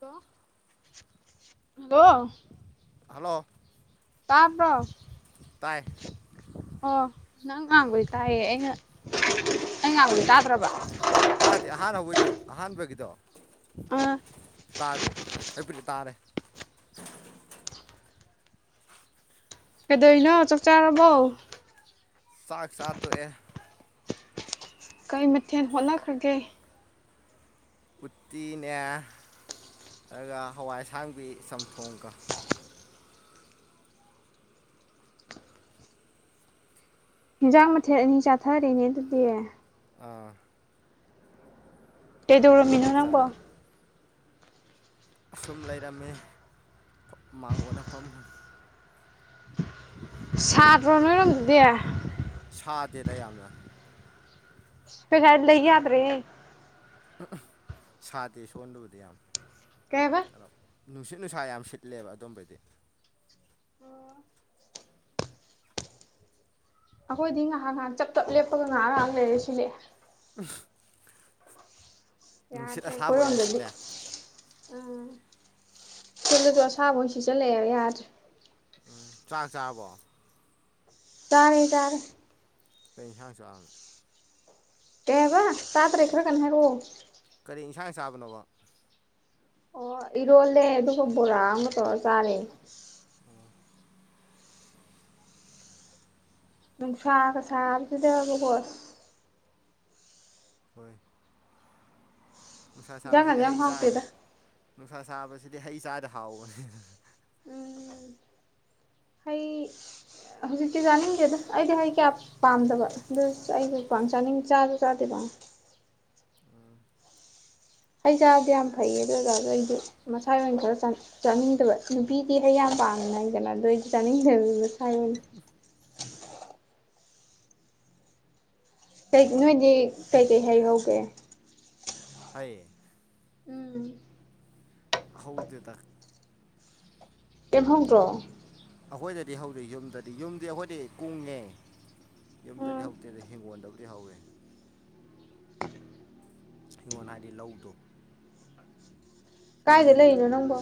hello hello hello ꯇꯥꯕ꯭ꯔꯣ ꯇꯥꯏ ꯑꯣ ꯅꯪ ꯉꯥꯡꯕꯗꯤ ꯇꯥꯏꯌꯦ ꯑꯩꯅ ꯑꯩ ꯉꯥꯡꯕꯗꯤ ꯇꯥꯗ꯭ꯔꯕꯥ ꯇꯥꯗꯦ ꯑꯍꯥꯟ ꯍꯧꯕꯩꯗꯣ ꯑꯍꯥꯟꯕꯒꯤꯗꯣ ꯑꯥ ꯇꯥꯗꯦ ꯍꯧꯖꯤꯛꯄꯨꯗꯤ ꯇꯥꯔꯦ ꯀꯩꯗꯩꯅꯣ ꯆꯥꯛ ꯆꯥꯔꯕꯣ ꯆꯥꯛ ꯆꯥ ꯇꯣꯛꯑꯦ ꯀꯩ ꯃꯊꯦꯜ ꯍꯣꯠꯅꯈ꯭ꯔꯒꯦ ꯎꯇꯤꯅꯦ ꯑꯗꯨꯒ ꯍꯋꯥꯏ ꯑꯁꯥꯡꯕꯤ ꯆꯝꯊꯣꯡꯒ ꯍꯤꯟꯖꯥꯡ ꯃꯊꯦꯜ ꯑꯅꯤ ꯆꯥꯊꯔ‌ꯦꯅꯦ ꯑꯗꯨꯗꯤ ꯑꯥ ꯀꯩꯗꯧꯔꯝꯃꯤꯅꯣ ꯑꯅꯤ ꯅꯪꯕꯣ ꯆꯥꯔꯦ ꯑꯁꯨꯝ ꯂꯩꯔꯝꯃ‌ꯦ ꯃꯥꯡꯒꯣꯟꯅ ꯐꯝꯃ [inaudible] ꯁꯥꯗ꯭ꯔꯣ ꯅꯣꯏꯔꯣꯝꯗꯗꯤ ꯁꯥꯗꯦꯗ ꯌꯥꯝꯅ ꯈꯣꯏ ꯁ꯭ꯋꯥꯏꯗ ꯂꯩ ꯌꯥꯗ꯭ꯔꯦ ꯍ‌‌ꯦ [unintelligible] ꯁꯥꯗꯦ ꯁꯣꯟꯗꯕꯨꯗꯤ ꯌꯥꯝ ꯀꯩꯑꯕ ꯀꯩꯅꯣ ꯅꯨꯡꯁꯤꯠ ꯅꯨꯡꯁꯥ ꯌꯥꯝ ꯁꯤꯠꯂꯦꯕ ꯑꯗꯨꯝꯕꯗꯤ [inaudible] ꯑꯩꯈꯣꯏꯗꯤ ꯉꯥꯍꯥꯛ ꯉꯥꯍꯥꯛ ꯆꯞ ꯆꯞ ꯂꯦꯞꯄꯒ ꯉꯥꯍꯥꯛ ꯉꯥꯍꯥꯛ ꯂꯩꯔ ꯁꯤꯜꯂꯑꯦ [unintelligible] ꯅꯨꯡꯁꯤꯠ ꯑꯁꯥꯕ ꯑꯣꯏꯅ ꯁꯤꯠꯂꯦ ꯎꯝ ꯁꯤꯠꯂꯁꯨ ꯑꯁꯥꯕ ꯑꯣꯏꯅ ꯁꯤꯆꯜꯂꯛꯑꯦꯕ ꯌꯥꯗ꯭ꯔꯦ ꯎꯝ ꯆꯥꯛ ꯆꯥꯕꯣ ꯆꯥꯔꯦ ꯆꯥꯔꯦ ꯀꯩ ꯏꯟꯁꯥꯡ ꯆꯥꯕꯅꯣ ꯀꯩ ꯍꯥꯏꯕ ꯇꯥꯗ꯭ꯔꯦ ꯈꯔ ꯀꯟꯅ ꯍꯥꯏꯔꯛꯑꯣ ꯀꯔꯤ ꯏꯟꯁꯥꯡ ꯆꯥꯕꯅꯣꯕ ꯑꯣ ꯏꯔꯣꯜꯂꯦ ꯑꯗꯨꯒ ꯕꯣꯔꯥ ꯑꯝꯒ ꯇꯧꯔ ꯆꯥꯔꯦ ꯑꯣ ꯅꯨꯡꯁꯥꯒ ꯁꯥꯕꯁꯤꯗ ꯕꯀꯣ ꯍꯣꯏ ꯅꯨꯡꯁꯥ ꯁꯥꯕꯁꯤꯗꯤ ꯏꯟꯖꯥꯡꯒꯁꯦ ꯌꯥꯝ ꯍꯩ ꯆꯥ ꯍꯥꯎꯇꯦꯗ ꯅꯨꯡꯁꯥ ꯁꯥꯕꯁꯤꯗꯤ ꯍꯩ ꯆꯥꯗ ꯍꯥꯎꯕꯅꯤ ꯎꯝ ꯍꯩ ꯍꯧꯖꯤꯛꯛꯇꯤ ꯆꯥꯅꯤꯡꯗꯦꯗ ꯑꯩꯗꯤ ꯍꯩ ꯀꯌꯥ ꯄꯥꯝꯗꯕ ꯑꯗꯨ ꯑꯩꯖꯨ ꯄꯥꯝ ꯆꯥꯅꯤꯡ ꯆꯥꯁꯨ ꯆꯥꯗꯦꯕꯥ ꯎꯝ ꯑꯩ ꯆꯥꯕꯗꯤ ꯌꯥꯝ ꯐꯩꯌꯦ ꯑꯗꯨ ꯑꯣꯏꯇꯖꯨ ꯑꯩꯗꯤ ꯃꯁꯥꯏ ꯑꯣꯏꯅ ꯈꯔ ꯆ ꯆꯥꯅꯤꯡꯗꯕ ꯅꯨꯄꯤꯗꯤ ꯍꯩ ꯌꯥꯝ ꯄꯥꯝꯅꯩꯗꯅ ꯑꯗꯨꯏ ꯗꯤ ꯆꯥꯅꯤꯡꯗꯦꯕ ꯑꯗꯣ [unintelligible] ꯀꯩ ꯅꯣꯏꯗꯤ ꯀꯩꯀꯩ ꯍꯩꯍꯧꯒꯦ ꯍꯩ ꯎꯝ ꯍꯧꯗꯦꯗꯥ ꯀꯩꯝ ꯍꯧꯗ꯭ꯔꯣ ꯑꯩꯈꯣꯏꯗꯗꯤ ꯍꯧꯗ ꯌꯨꯝꯗꯗꯤ ꯌꯨꯝꯗꯤ ꯑꯩꯈꯣꯏꯗꯤ ꯀꯨꯡꯉꯦ ꯌꯨꯝꯗꯗꯤ ꯎꯝ ꯍꯧꯗꯦ ꯑꯗ ꯍꯤꯡꯒꯣꯟꯗꯕꯨꯗꯤ ꯍꯧꯋꯤ ꯍꯤꯡꯉꯣꯟ ꯍꯥꯏꯗꯤ ꯂꯧꯗꯣ ꯀꯥꯏꯗ ꯂꯩꯔꯤꯅꯣ ꯅꯪꯕꯣ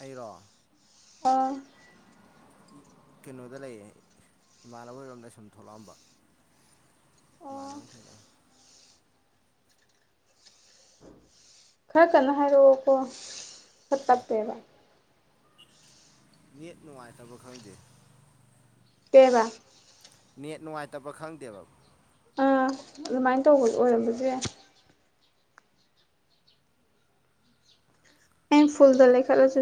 ꯑꯩꯔꯣ ꯑꯥ ꯀꯩꯅꯣꯗ ꯂꯩꯌꯦ ꯏꯃꯥꯟꯅꯕꯔꯣꯝꯗ ꯁꯨꯝ ꯊꯣꯛꯂꯛꯑꯝꯕ ꯑꯣ ꯏꯃꯥꯟꯅꯕ ꯁꯤꯡꯒ ꯈꯔ ꯀꯟꯅ ꯍꯥꯏꯔꯛꯑꯣꯀꯣ ꯈꯔ ꯍꯣꯏ ꯇꯞꯄꯦꯕ ꯅꯦꯠ ꯅꯨꯡꯉꯥꯏꯇꯕ ꯈꯪꯗꯦ ꯀꯦꯕ ꯅꯦꯠ ꯅꯨꯡꯉꯥꯏꯇꯕ ꯈꯪꯗꯦꯕ ꯑꯥ ꯑꯗꯨꯃꯥꯏꯅ ꯇꯧꯕꯖꯨ ꯑꯣꯏꯔꯝꯕꯖꯨ ꯌꯥꯏ ꯑꯩꯅ ꯐꯨꯜꯗ ꯂꯩꯈꯠꯂꯁꯨ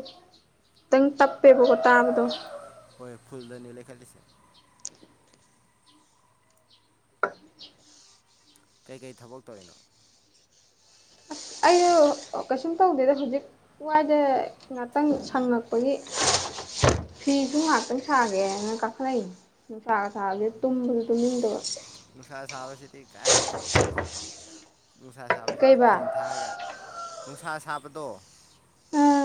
ꯇꯪ ꯇꯞꯄꯦꯕꯀꯣ ꯇꯥꯕꯗꯣ ꯍꯣꯏ ꯐꯨꯜꯗꯅꯤ ꯂꯩꯈꯠꯂꯤꯁꯦ ꯀꯩꯀꯩ ꯊꯕꯛ ꯇꯧꯏꯅꯣ ꯑꯩꯌꯣ ꯀꯩꯁꯨꯝ ꯇꯧꯗꯦꯗ ꯍꯧꯖꯤꯛ ꯋꯥꯏꯗ ꯉꯥꯛꯇꯪ ꯁꯪꯉꯛꯄꯒꯤ ꯐꯤꯖꯨ ꯉꯥꯛꯇꯪ ꯁꯥꯒꯦꯅ ꯀꯥꯈꯠꯂꯛꯏꯅꯤ ꯅꯨꯡꯁꯥꯒ ꯁꯥꯥꯕꯖꯤꯗ ꯇꯨꯝꯕꯁꯨ ꯇꯨꯝꯅꯤꯡꯗꯕ ꯅꯨꯡꯁꯥ ꯁꯥꯕꯁꯤꯗꯤ ꯀꯥꯏ ꯄꯣꯠ ꯅꯨꯡꯁꯥ ꯁꯥꯕꯁꯤꯗꯤ ꯀꯩꯕꯥ ꯐꯦꯟ ꯊꯥꯔꯒ ꯅꯨꯡꯁꯥ ꯁꯥꯕꯗꯣ ꯑꯥ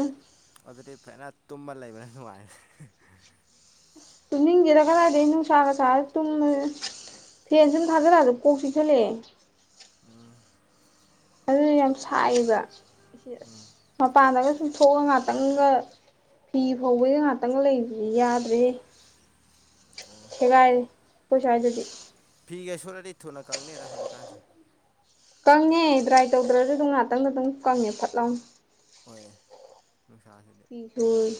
ꯑꯗꯨꯗꯤ ꯐꯅ ꯇꯨꯝꯃ ꯂꯩꯕꯅ ꯅꯨꯡꯉꯥꯏ ꯇꯨꯝꯅꯤꯡꯗꯦꯗꯥ ꯀꯗꯥꯏꯗꯒꯤ ꯅꯨꯡ ꯁꯥꯒ ꯁꯥꯔ ꯇꯨꯝ ꯐꯦꯟ ꯁꯨꯝ ꯊꯥꯖꯜꯂꯛꯑꯁꯨ ꯀꯣꯛ ꯆꯤꯛꯁꯜꯂꯛꯑꯦ ꯎꯝ ꯑꯗꯨ ꯌꯥꯝ ꯁꯥꯏꯌꯦꯕ ꯃꯄꯥꯟꯗꯒ ꯆꯊꯣꯛꯑ ꯉꯥꯛꯇꯪꯒ ꯐꯤ ꯐꯧꯕꯩꯒ ꯉꯥꯛꯇꯪꯒ ꯂꯩꯕꯗꯤ ꯌꯥꯗ꯭ꯔꯦꯍꯦ ꯁꯦꯒꯥꯏꯔꯦ ꯑꯩꯈꫭꯏ ꯁꯥꯏꯗꯗꯤ ꯐꯤꯒ ꯁꯨꯔꯗꯤ ꯊꯨꯅ ꯀꯪꯅꯤꯗ ꯍꯧꯖꯤꯛꯀꯥꯟꯁꯦ ꯀꯪꯉꯦ ꯗ꯭ꯔꯥꯏ ꯇꯧꯗ꯭ꯔꯁꯨ ꯑꯗꯨꯝ ꯉꯍꯥꯛꯇꯪꯒ ꯑꯗꯨꯝ ꯀꯪꯉꯦ ꯐꯠꯂꯥꯎꯅ ꯑꯣꯏꯌꯦ ꯅꯨꯡꯁꯥꯁꯤꯗꯤ ꯑꯗꯨꯏ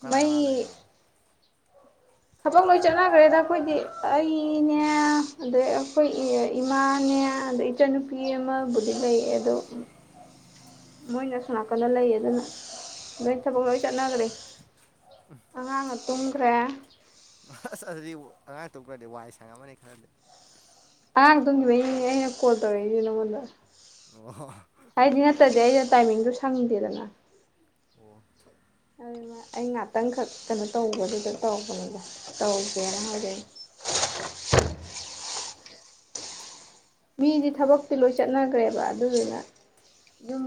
ꯀꯅꯥ ꯃꯩ ꯀꯅꯥ ꯂꯩꯅꯣ ꯊꯕꯛ ꯂꯣꯏ ꯆꯠꯅꯈ꯭ꯔꯦꯗ ꯑꯩꯈꯣꯏꯗꯤ ꯑꯩꯅꯦ ꯑꯗꯩ ꯑꯩꯈꯣꯏ ꯏꯃꯥꯅꯦ ꯑꯗꯩ ꯏꯆꯟꯅꯨꯄꯤ ꯑꯃꯕꯨꯗꯤ ꯂꯩ ꯑꯗꯣ ꯃꯣꯏꯅ ꯁꯣꯅꯥꯀꯟꯗ ꯂꯩꯌꯦ ꯑꯗꯨꯅ ꯂꯣꯏ ꯊꯕꯛ ꯂꯣꯏ ꯆꯠꯅꯈ꯭ꯔꯦ ꯎꯝ ꯑꯉꯥꯡꯅ ꯇꯨꯝꯈ꯭ꯔꯦ ꯑꯁ ꯑꯗꯨꯗꯤ ꯑꯉꯥꯡ ꯇꯨꯝꯈ꯭ꯔꯗꯤ ꯋꯥꯏ ꯁꯪꯉꯝꯃꯅꯤ ꯈꯔꯗꯤ ꯑꯉꯥꯡ ꯇꯨꯝꯒꯤꯕꯩꯅꯤꯅꯦ ꯑꯩꯅ ꯀꯣꯜ ꯇꯧꯔꯛꯏꯖꯦ ꯅꯉꯣꯟꯗ ꯑꯣꯍꯣ ꯍꯥꯏꯗꯤ ꯅꯠꯇꯔꯗꯤ ꯑꯩꯗꯤ ꯇꯥꯏꯃꯤꯡꯗꯣ ꯁꯪꯗꯦꯗꯅ ꯑꯣ ꯑꯗꯨ ꯑꯩ ꯉꯥꯛꯇꯪꯈꯛ ꯀꯩꯅꯣ ꯇꯧꯕꯗꯨꯗ ꯇꯧꯕꯅꯤꯗ ꯇꯧꯒꯦꯅ ꯍꯥꯏꯖꯩ ꯃꯤꯗꯤ ꯊꯕꯛꯇꯤ ꯂꯣꯏ ꯆꯠꯅꯈ꯭ꯔꯦꯕ ꯑꯗꯨꯗꯨꯅ ꯌꯨꯝ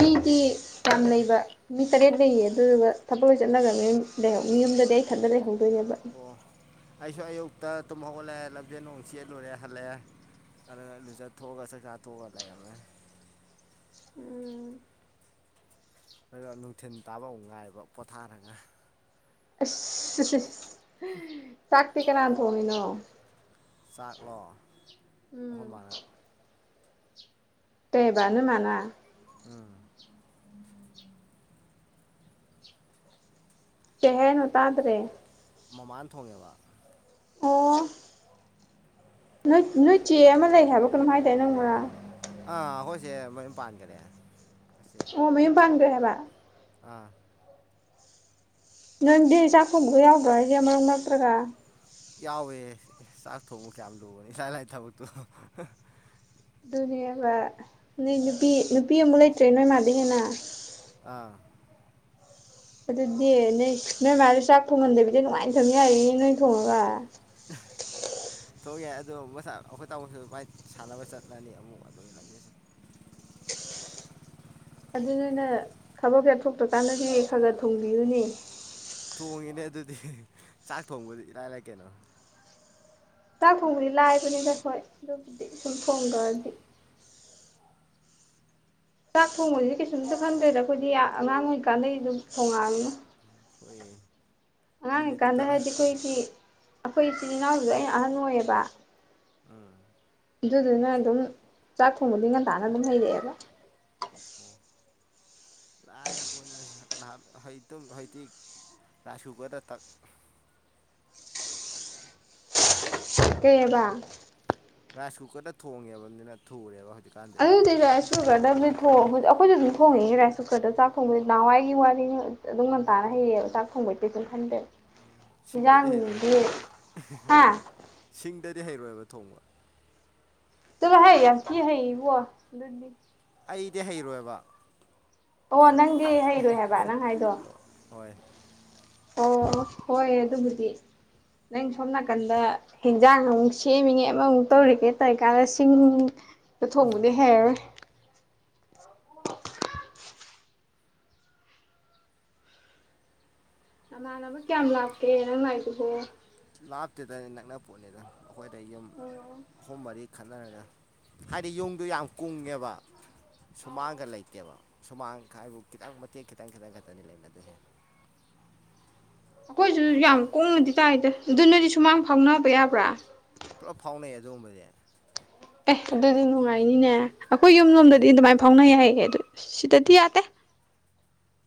ꯃꯤꯗꯤ ꯌꯥꯝ ꯂꯩꯕ ꯃꯤ ꯇꯔꯦꯠ ꯂꯩꯌꯦ ꯑꯗꯨꯗꯨꯒ ꯊꯕꯛ ꯂꯣꯏ ꯆꯠꯅꯒꯔꯝꯅꯤꯅ ꯂꯩꯍꯧ ꯃꯤ ꯌꯨꯝꯗꯗꯤ ꯑꯩ ꯊꯟꯇ ꯂꯩꯍꯧꯗꯣꯏꯅꯦꯕ ꯑꯣ ꯑꯩꯁꯨ ꯑꯌꯨꯛꯇ ꯇꯨꯝ ꯍꯧꯒꯠꯂꯛꯑꯦ ꯂꯝꯖꯦꯟ ꯅꯨꯡ ꯆꯦꯜꯂꯨꯔꯦ ꯍꯜꯂꯛꯑꯦ ꯑꯗꯨꯒ ꯂꯨꯖꯊꯣꯛꯑꯒ ꯆꯥꯛ ꯆꯥ ꯇꯣꯛꯑꯒ ꯂꯩꯔꯝꯃꯦ ꯎꯝ ꯑꯗꯨꯒ ꯅꯨꯡꯊꯤꯟ ꯇꯥꯕ ꯑꯃꯨꯛ ꯉꯥꯏꯕ ꯄꯣꯊꯥꯔꯒ [unintelligible] [unintelligible] ꯆꯥꯛꯇꯤ ꯀꯅꯥ ꯊꯣꯡꯉꯤꯅꯣ ꯆꯥꯛꯂꯣ ꯑꯈꯣꯏ ꯃꯥꯅ ꯀꯩꯕ ꯅꯣꯏ ꯃꯥꯅ ꯎꯝ ꯀꯩ ꯍꯥꯏꯅꯣ ꯇꯥꯗ꯭ꯔꯦ ꯃꯃꯥꯅ ꯊꯣꯡꯉꯦꯕ ꯑꯣ ꯅꯣꯏ ꯅꯣꯏ ꯆꯦ ꯑꯃ ꯂꯩ ꯍꯥꯏꯕ ꯀꯩꯅꯣꯝ ꯍꯥꯏꯗꯥꯏ ꯅꯪꯕꯨ ꯉꯔꯥꯡ ꯑꯥ ꯑꯩꯈꯣꯏ ꯆꯦ ꯃꯌꯨꯝ ꯄꯥꯟꯈꯔꯦ ꯑꯩꯈꯣꯏꯆꯦꯗꯤ ꯑꯣ ꯃꯌꯨꯝ ꯄꯥꯟꯒ꯭ꯔꯦ ꯍꯥꯏꯕ ꯑꯥ ꯅꯪꯗꯤ ꯆꯥꯛ ꯊꯣꯡꯕꯒ ꯌꯥꯎꯗ꯭ꯔꯣ ꯍꯥꯏꯁꯦ ꯃꯔꯛ ꯃꯔꯛꯇꯒ ꯌꯥꯎꯋꯦ ꯆꯥꯛ ꯊꯣꯡꯕ ꯀꯌꯥꯝ ꯂꯨꯒꯅꯤ ꯏꯂꯥꯏ ꯂꯥꯏ ꯊꯕꯛꯇꯨ ꯑꯗꯨꯅꯦꯕ ꯅꯣꯏ ꯅꯨꯄꯤ ꯅꯨꯄꯤ ꯑꯝꯕꯨꯛ ꯂꯩꯇ꯭ꯔꯦ ꯅꯣꯏ ꯃꯥꯗꯩ ꯍꯦꯟꯅ ꯑꯥ ꯑꯗꯨꯗꯤ ꯅꯣꯏ ꯃꯥꯗꯣ ꯆꯥꯛ ꯊꯣꯡꯍꯟꯗꯕꯤꯗ ꯅꯨꯡꯉꯥꯏꯅ ꯊꯝ ꯌꯥꯔꯦꯅꯦ ꯅꯣꯏꯅ ꯊꯣꯡꯉꯒ [unintelligible] ꯊꯣꯡ ꯌꯥꯏ ꯑꯗꯨ ꯑꯩꯈꯣꯏ ꯇꯥꯃꯁꯨ ꯃꯥꯏ ꯁꯥꯟꯅꯕ ꯆꯠꯂꯅꯤ ꯑꯃꯨꯛ ꯑꯗꯨ ꯂꯣꯏꯅ ꯆꯠ ꯑꯗꯨ ꯅꯣꯏꯅ ꯊꯕꯛ ꯆꯠ ꯊꯣꯛꯇꯔ ꯀꯥꯟꯗꯗꯤ ꯈꯔ ꯈꯔ ꯊꯣꯡꯕꯤꯌꯨꯅꯦ ꯊꯣꯡꯉꯤꯅꯦ ꯑꯗꯨꯗꯤ ꯆꯥꯛ ꯊꯣꯡꯕꯗꯤ ꯏꯂꯥꯏ ꯂꯥꯏ ꯀꯩꯅꯣ ꯆꯥꯛ ꯊꯣꯡꯕꯗꯤ ꯂꯥꯏꯕꯅꯤꯗ ꯍꯣꯏ ꯑꯗꯨꯕꯨꯗꯤ ꯁꯨꯝ ꯊꯣꯡꯒ꯭ꯔꯗꯤ ꯆꯥꯛ ꯊꯣꯡꯕꯁꯤꯗꯤ ꯀꯩꯁꯨꯝꯇ ꯈꯟꯗ꯭ꯔꯦꯗ ꯑꯩꯈꯣꯏꯗꯤ ꯑꯉꯥꯡ ꯑꯣꯏꯀꯥꯟꯗꯩ ꯑꯗꯨꯝ ꯊꯣꯡꯉꯛꯑꯝꯅꯤꯅ ꯍꯣꯏꯍꯦ ꯑꯉꯥꯡ ꯑꯣꯏꯀꯥꯟꯗ ꯍꯥꯏꯔꯗꯤ ꯑꯩꯈꯣꯏꯒꯤ ꯑꯩꯈꯣꯏ ꯏꯆꯤꯜ ꯏꯅꯥꯎꯗꯁꯨ ꯑꯩꯅ ꯑꯍꯟ ꯑꯣꯏꯌꯦꯕ ꯎꯝ ꯑꯗꯨꯗꯨꯅ ꯑꯗꯨꯝ ꯆꯥꯛ ꯊꯣꯡꯕꯗꯤ ꯉꯟꯇꯥꯅ ꯑꯗꯨꯝ ꯍꯩꯔꯛꯑꯦꯕ ꯑꯣ ꯂꯥꯏꯕ ꯄꯣꯠꯅꯤꯗ [unintelligible] ꯔꯥꯏꯁ ꯀꯨꯀꯔꯗ ꯇꯛ ꯀꯩ ꯑꯕ ꯔꯥꯏꯁ ꯀꯨꯀꯔꯗ ꯊꯣꯡꯉꯦꯕꯅꯤꯅ ꯊꯨꯔꯦꯕ ꯍꯧꯖꯤꯛ ꯑꯗꯨꯗꯤ ꯔꯥꯏꯁ ꯀꯨꯀꯔꯗ ꯑꯗꯨ ꯑꯩꯈꯣꯏꯁꯨ ꯑꯗꯨꯝ ꯊꯣꯡꯉꯛꯏꯦ ꯔꯥꯏꯁ ꯀꯨꯀꯔꯗ ꯆꯥꯛ ꯊꯣꯡꯕꯗ ꯅꯍꯥꯟꯋꯥꯏꯒꯤ ꯋꯥꯔꯤ ꯑꯗꯨꯝ ꯉꯟꯇꯥꯅ ꯍꯩꯌꯦ ꯆꯥꯛ ꯊꯣꯡꯕꯩ ꯀꯩꯁꯨꯝ ꯈꯟꯗꯦ ꯎꯝ ꯁꯤꯡꯗꯗꯤ ꯍꯩꯔꯣꯏꯍꯦ ꯍꯥ ꯁꯤꯡꯗꯗꯤ ꯍꯩꯔꯣꯏꯑꯕ ꯊꯣꯡꯕ ꯆꯂꯣꯍꯦ ꯌꯥꯝ ꯊꯤ ꯍꯩꯑꯦꯕꯣ ꯑꯩꯗꯤ ꯍꯩꯔꯣꯏꯕ ꯑꯣ ꯅꯪꯗꯤ ꯍꯩꯔꯣꯏ ꯍꯥꯏꯕ ꯅꯪ ꯍꯥꯏꯗꯣ ꯍꯣꯏ ꯍꯣꯏ ꯑꯣ ꯍꯣꯏ ꯑꯗꯨꯕꯨꯗꯤ ꯅꯪ ꯁꯣꯝ ꯅꯥꯀꯟꯗ ꯍꯤꯟꯖꯥꯡ ꯑꯃꯨꯛ ꯁꯦꯝꯃꯤꯉꯦ ꯑꯃꯃꯨꯛ ꯇꯧꯔꯤꯉꯩ ꯇꯧꯔꯤ ꯀꯥꯟꯗ ꯁꯤꯡꯗ ꯊꯣꯡꯕꯗꯤ ꯍꯩꯔꯔꯣꯏ ꯅꯃꯥꯅꯕ ꯀꯌꯥꯝ ꯂꯥꯞꯀꯦ ꯅꯪ ꯂꯥꯏꯗꯨꯕꯣ ꯂꯥꯞꯇꯦꯗ ꯅꯛꯅ ꯄꯣꯠꯅꯤꯗ ꯑꯩꯈꯣꯏꯗꯩ ꯌꯨꯝ ꯑꯍꯨꯝ ꯃꯔꯤ ꯈꯟꯅꯔꯒ ꯍꯥꯏꯗꯤ ꯌꯨꯝꯗꯨ ꯌꯥꯝ ꯀꯨꯡꯉꯦꯕ ꯁꯨꯃꯥꯡꯒ ꯂꯩꯇꯦꯕ ꯁꯨꯃꯥꯡ ꯍꯥꯏꯕꯨ ꯈꯤꯇꯪ ꯃꯇꯦꯛ ꯈꯤꯇꯪ ꯈꯤꯇꯪ ꯈꯛꯇꯅꯤ ꯂꯩꯅꯗꯨꯏꯁꯦ ꯑꯩꯈꯣꯏꯁꯨ ꯌꯥꯝ ꯀꯨꯡꯅꯗꯤ ꯇꯥꯏꯗ ꯑꯗꯨ ꯅꯣꯏꯗꯤ ꯁꯨꯃꯥꯡ ꯐꯥꯎꯅꯕ ꯌꯥꯕ꯭ꯔꯥ ꯄꯨꯂꯞ ꯐꯥꯎꯅꯩ ꯑꯗꯨꯒꯨꯝꯕꯁꯦ ꯑꯦ ꯑꯗꯨꯗꯤ ꯅꯨꯡꯉꯥꯏꯅꯤꯅꯦ ꯑꯩꯈꯣꯏ ꯍꯣꯏ ꯌꯨꯝꯂꯣꯝꯗꯗꯤ ꯑꯗꯨꯃꯥꯏꯅ ꯐꯥꯎꯅꯩ ꯌꯥꯏ ꯑꯗꯨ ꯁꯤꯗꯗꯤ ꯌꯥꯗꯦ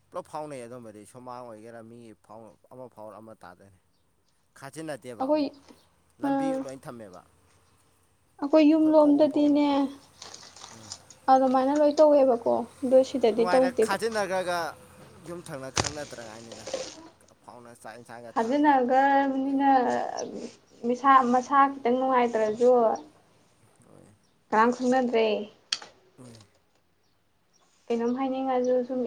ꯄꯨꯂꯞ ꯐꯥꯎꯅꯩ ꯑꯗꯨꯝꯕꯗꯤ ꯁꯨꯃꯥꯡ ꯑꯣꯏꯒꯦꯔꯥ ꯃꯤꯐꯥꯎ ꯑꯃ ꯐꯥꯎꯔ ꯑꯃ ꯇꯥꯗꯣꯏꯅꯤ ꯈꯥꯖꯤꯟꯅꯗꯦꯕ ꯑꯩꯈꯣꯏ ꯑꯃꯨꯛ ꯂꯝꯕꯤ ꯑꯥ ꯂꯣꯏ ꯊꯝꯃꯦꯕ ꯑꯩꯈꯣꯏ ꯌꯨꯝ ꯐꯥꯎꯐꯝ ꯂꯣꯝꯗꯗꯤꯅꯦ ꯐꯥꯎꯐꯝꯗꯣ ꯑꯗꯨꯃꯥꯏꯅ ꯂꯣꯏ ꯇꯧꯋꯦꯕꯀꯣ ꯑꯗꯣ ꯁꯤ ꯅꯨꯡꯉꯥꯏꯅ ꯈꯥꯖꯤꯟꯅꯈ꯭ꯔꯒ ꯌꯨꯝꯊꯪꯅ ꯈꯪꯅꯗ꯭ꯔꯉꯥꯏꯅꯤꯗ ꯐꯥꯎꯅ ꯆꯥꯛ ꯏꯟꯁꯥꯡ ꯈꯥꯖꯤꯟꯅꯈ꯭ꯔꯕꯅꯤꯅꯁꯥ ꯃꯁꯥ ꯈꯤꯇꯪ ꯅꯨꯡꯉꯥꯏꯇ꯭ꯔꯁꯨ ꯍꯣꯏ ꯀꯅꯥꯝ ꯈꯪꯅꯗ꯭ꯔꯦ ꯍꯣꯏ ꯀꯩꯅꯣꯝ ꯍꯥꯏꯅꯤꯡꯉꯁꯨ ꯁꯨꯝ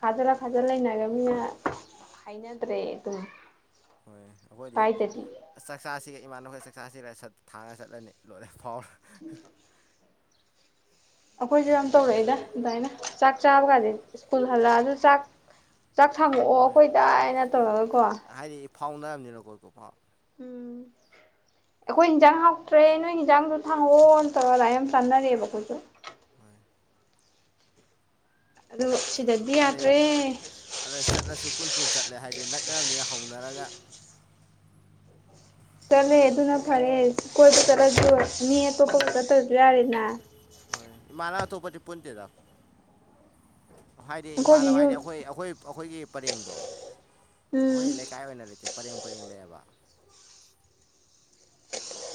ꯈꯥꯖꯤꯜꯂ ꯈꯥꯖꯂ ꯂꯩꯅꯔꯕꯅꯤꯅ ꯍꯥꯏꯅꯗ꯭ꯔꯦ ꯑꯗꯨꯝ ꯍꯣꯏ ꯑꯩꯈꯣꯏꯗꯤ ꯁ꯭ꯋꯥꯏꯗꯗꯤ ꯑꯁ ꯆꯥꯛ ꯆꯥꯁꯦ ꯏꯃꯥꯟꯅꯕꯈꯣꯏ ꯆꯥꯛꯆꯥꯁꯤꯒ ꯊꯥꯡꯉꯒ ꯆꯠꯂꯅꯤ ꯂꯣꯏꯂꯦ ꯐꯥꯎꯔꯦ [inaudible] ꯑꯩꯈꯣꯏꯁꯨ ꯍꯥꯏꯗꯤ ꯌꯥꯝ ꯇꯧꯔꯛꯏꯗ ꯅꯛꯅꯔꯕꯅꯤꯅ ꯑꯗꯨꯃꯥꯏꯅ ꯆꯥꯛ ꯆꯥꯕ ꯀꯥꯖꯦ ꯁ꯭ꯀꯨꯜ ꯍꯜꯂꯛꯑ ꯆꯥꯛ ꯆꯥꯛ ꯊꯥꯡꯉꯛꯑꯣ ꯍꯣꯏ ꯑꯩꯈꯣꯏꯗꯥꯅ ꯇꯧꯔꯒꯀꯣ ꯐꯥꯎꯅꯥꯝꯅꯤꯅꯀꯣ ꯐꯥꯎ ꯎꯝ ꯑꯩꯈꯣꯏ ꯏꯟꯖꯥꯡ ꯍꯥꯎꯇ꯭ꯔꯦ ꯅꯣꯏ ꯌꯦꯟꯖꯥꯡꯗꯨ ꯊꯪꯉꯛꯑꯣ ꯇꯩꯔ ꯑꯗꯥꯏ ꯌꯥꯝ ꯆꯥꯟꯅꯔꯛꯑꯦꯕ ꯈꯣꯏꯁꯨ ꯍꯣꯏ ꯑꯗꯨ ꯁꯤꯗꯗꯤ ꯑꯗꯩ ꯌꯥꯗ꯭ꯔꯦ ꯑꯗ ꯆꯠꯂꯁꯨ ꯄꯨꯟ ꯄꯨꯟ ꯆꯠꯂꯦ ꯍꯥꯏꯗꯤ ꯅꯛꯅꯔꯕꯅꯤꯅ ꯍꯧꯅꯔꯒ ꯆꯠꯂꯦ ꯑꯗꯨꯅ ꯐꯔꯦ ꯀꯣꯏꯕ ꯆꯠꯂꯁꯨ ꯃꯤ ꯑꯇꯣꯞꯄꯒ ꯆꯠꯇ꯭ꯔꯁꯨ ꯌꯥꯔꯦꯅ ꯍꯣꯏ ꯏꯃꯥꯅ ꯑꯇꯣꯞꯄꯗꯤ ꯄꯨꯟꯗꯦꯗ ꯍꯥꯏꯗꯤ ꯑꯩꯈꯣꯏꯒꯤ ꯏꯃꯥꯟꯅꯕ ꯍꯥꯏꯗꯤ ꯌꯨꯝ ꯑꯩꯈꯣꯏ ꯑꯩꯈꯣꯏ ꯑꯩꯈꯣꯏꯒꯤ ꯄꯔꯦꯡꯗꯣ ꯎꯝ ꯑꯩꯈꯣꯏ ꯂꯩꯀꯥꯏ ꯑꯣꯏꯅ ꯂꯩꯇꯦ ꯄꯔꯦꯡ ꯄꯔꯦꯡ ꯂꯩꯌꯦꯕ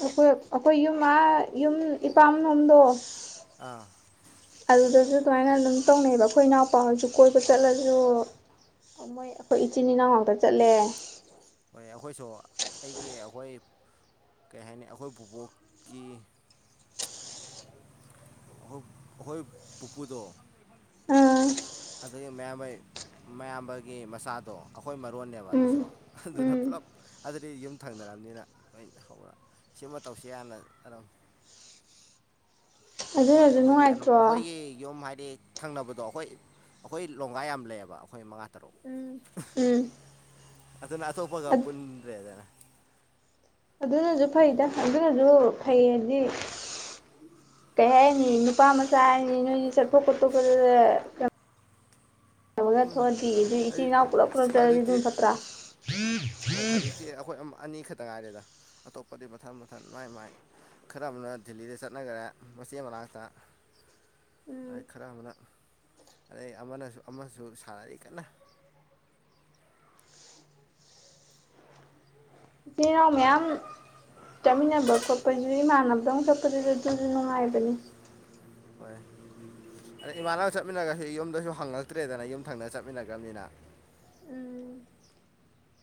ꯑꯩꯈꯣꯏ ꯑꯩꯈꯣꯏ ꯌꯨꯝ ꯑ ꯌꯨꯝ ꯏꯄꯥꯝꯂꯣꯝꯗꯣ ꯑꯥ ꯑꯗꯨꯗꯁꯨ ꯑꯗꯨꯃꯥꯏꯅ ꯑꯗꯨꯝ ꯇꯧꯅꯩꯑꯕ ꯑꯩꯈꯣꯏ ꯏꯅꯥꯎꯄꯥ ꯍꯧꯁꯨ ꯀꯣꯏꯕ ꯆꯠꯂꯁꯨ ꯃꯣꯏ ꯑꯩꯈꯣꯏ ꯏꯆꯤꯟ ꯏꯅꯥꯎ ꯉꯥꯛꯇ ꯆꯠꯂꯦ ꯍꯣꯏ ꯑꯩꯈꯣꯏꯁꯨ ꯑꯩꯒꯤ ꯑꯩꯈꯣꯏ ꯀꯩ ꯍꯥꯏꯅꯤ ꯑꯩꯈꯣꯏ ꯕꯨꯕꯣꯛꯀꯤ ꯑꯈ‌ꯣꯏ ꯑꯩꯈꯣꯏ ꯄꯨꯄꯨꯗꯣ ꯑꯥ ꯑꯗꯒꯤ ꯃꯌꯥꯝꯕꯩ ꯃꯌꯥꯝꯕꯒꯤ ꯃꯆꯥꯗꯣ ꯑꯩꯈꯣꯏ ꯃꯔꯣꯟꯅꯦꯕ ꯎꯝ ꯑꯗꯨꯁꯨ ꯑꯗꯨꯅ ꯎꯝ ꯄꯨꯂꯞ ꯑꯗꯨꯗꯤ ꯌꯨꯝ ꯊꯪꯅꯔꯕꯅꯤꯅ ꯅꯣꯏ ꯍꯧꯔ ꯁꯤꯃ ꯇꯧꯁꯤ ꯍꯥꯟꯅ ꯑꯗꯨꯝ ꯑꯩꯈꯣꯏꯗꯤ ꯑꯗꯨꯅꯁꯨ ꯑꯩꯈꯣꯏꯒꯤ ꯑꯗꯨꯝ ꯅꯨꯡꯉꯥꯏꯇ꯭ꯔꯣ ꯑꯩꯈꯣꯏꯒꯤ ꯌꯨꯝ ꯍꯥꯏꯗꯤ ꯊꯪꯅꯕꯗꯣ ꯑꯩꯈꯣꯏ ꯑꯩꯈꯣꯏ ꯂꯣꯡꯒꯥ ꯌꯥꯝ ꯂꯩꯌꯦꯕ ꯑꯩꯈꯣꯏ ꯃꯉꯥ ꯇꯔꯨꯛ ꯎꯝ ꯑꯗꯨꯅ ꯑꯇ‌ꯣꯝꯄꯒ ꯄꯨꯟꯂ‌ꯦꯗꯅ ꯑꯗꯨꯅꯁꯨ ꯐꯩꯗ ꯑꯗꯨꯅꯁꯨ ꯐꯩ ꯍꯥꯏꯗꯤ ꯀꯔꯤ ꯍꯥꯏꯅꯤ ꯅꯨꯄꯥ ꯃꯆꯥ ꯍꯥꯏꯅꯤ ꯅꯣꯏꯗꯤ ꯆꯠꯊꯣꯛ ꯈꯣꯠꯇꯣꯛ ꯄꯗ [inaudible] ꯑꯗꯨ [unintelligible] ꯏꯆꯤꯜ ꯑꯩ ꯏꯅꯥꯎ ꯄꯨꯂꯞ ꯄꯨꯂꯞ ꯆꯠꯂꯗꯤ ꯍꯧꯖꯤꯛꯇꯤ ꯑꯗꯨꯝ ꯐꯠꯇ꯭ꯔꯥ ꯍꯣꯏ ꯍꯧꯖꯤꯛꯇꯤ ꯑꯩꯈꯣꯏ ꯑꯅꯤꯈꯛꯇ ꯉꯥꯏꯔꯦꯗ ꯑꯇꯣꯞꯄꯗꯤ ꯃꯊꯟ ꯃꯊꯟ ꯃꯥꯏ ꯃꯥꯏ ꯈꯔ ꯑꯃꯅ ꯗꯦꯜꯂꯤꯗ ꯆꯠꯅꯈꯔꯦ ꯃꯆꯦ ꯃꯅꯥꯛꯇ ꯎꯝ ꯑꯩ ꯈꯔ ꯑꯃꯅ ꯑꯗꯩ ꯑꯃꯅꯁꯨ ꯑꯃꯁꯨ ꯁꯥꯔꯤ ꯀꯟꯅ ꯏꯆꯤꯟꯅꯥꯎ ꯃꯌꯥꯝ ꯆꯥꯃꯤꯟꯅꯕ ꯈꯣꯠꯄꯗꯨ ꯏꯃꯥꯟꯅꯕꯗ ꯑꯃ ꯈꯣꯠꯄꯗꯨꯗ ꯑꯗꯨꯁꯨ ꯅꯨꯡꯉꯥꯏꯕꯅꯤ ꯍꯣꯏ ꯑꯗꯩ ꯏꯃꯥꯟꯅꯕꯒ ꯆꯠꯃꯤꯟꯅꯔꯁꯤ ꯌꯨꯝꯗꯁꯨ ꯍꯪꯉꯛꯇ꯭ꯔꯦꯗꯅ ꯌꯨꯝꯊꯪꯅ ꯆꯠꯃꯤꯟꯅꯈ꯭ꯔꯕꯅꯤꯅ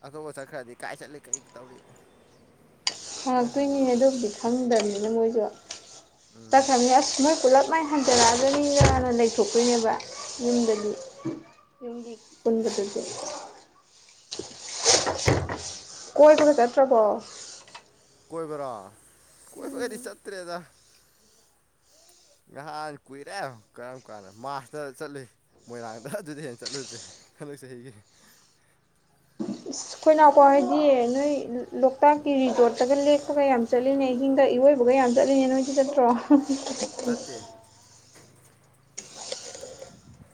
ꯑꯇ‌ꯣꯝꯄꯒ ꯆꯠꯈ꯭ꯔꯗꯤ ꯀꯥꯏ ꯆꯠꯂꯤ ꯀꯩ ꯇꯧꯔꯤ ꯍꯪ ꯍꯪꯉꯛꯇꯣꯏꯅꯤꯅꯦ ꯍꯪꯉꯦꯗꯅ ꯑꯗꯨꯕꯨꯗꯤ ꯈꯪꯗꯕꯅꯤꯅ ꯃꯣꯏꯁꯨ ꯎꯝ ꯆꯠꯈ꯭ꯔꯕꯅꯤ ꯑꯁ ꯃꯣꯏ ꯄꯨꯂꯞ ꯃꯥꯏ ꯍꯟꯖꯔꯛ ꯑꯒꯅꯤꯅ ꯂꯩꯊꯣꯛꯇꯣꯏꯅꯦꯕ ꯌꯨꯝꯗꯗꯤ ꯍ [unintelligible] ꯄꯨꯟꯕꯗ ꯀꯣꯏ ꯕꯒ ꯆꯠꯇ꯭ꯔꯕꯣ ꯀꯣꯏꯕꯔ‌ꯣ ꯀꯣꯏꯕ ꯀꯗꯤ ꯆꯠꯇ꯭ꯔꯦꯗ ꯉꯍꯥꯟ ꯀꯨꯏꯔꯦ ꯀꯔꯝ ꯀꯥꯟꯅ ꯃꯥꯔꯁꯇ ꯆꯠꯂꯤ ꯃꯣꯏꯔꯥꯡꯗ ꯑꯗꯨꯗꯤ ꯍꯦꯟꯅ ꯆꯠꯂꯨꯗ꯭ꯔꯦ ꯍꯟꯗꯛ ꯆꯍꯤꯒꯤ ꯑꯩꯈꯣꯏꯅꯥꯎꯄ ꯍ‌ꯣꯏꯗꯤ ꯅꯣꯏ ꯂꯣꯛꯇꯥꯛꯀꯤ ꯔꯤꯖꯣꯔꯠꯇꯒ ꯂꯦꯛꯄꯒ ꯌꯥꯝ ꯆꯠꯂꯤꯉꯩ ꯏꯤꯡꯗ ꯏꯔꯣꯏꯕꯒ ꯌꯥꯝ ꯆꯠꯂꯤꯅꯦ ꯅꯣꯏꯗꯤ ꯆꯠꯇ꯭ꯔꯣ ꯆꯠꯇ‌ꯦ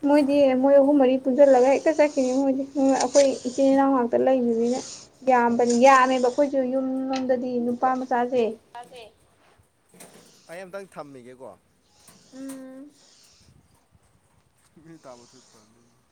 ꯃꯣꯏꯗꯤ ꯃꯣꯏ ꯑꯍꯨꯝ ꯃꯔꯤ ꯄꯨꯟꯁꯤꯜꯂꯒ ꯍꯦꯛꯇ ꯆꯠꯈꯤꯅꯤ ꯃꯣꯏꯗꯤ ꯑꯩꯈꯣꯏ ꯏꯆꯤꯜ ꯏꯅꯥꯎ ꯉꯥꯛꯇ ꯂꯩꯕꯅꯤꯅ ꯌꯥꯝꯕꯅꯤ ꯌꯥꯅꯦꯕ ꯑꯩꯈꯣꯏꯁꯨ ꯌꯨꯝꯂꯣꯝꯗꯗꯤ ꯅꯨꯄꯥ ꯃꯆꯥꯁꯦ [unintelligible] ꯑꯩ ꯑꯝꯇꯪ ꯊꯝꯃꯤꯒꯦꯀꯣ ꯎꯝ ꯀꯤ ꯀ ꯇꯥ ꯄꯔꯗ [unintelligible]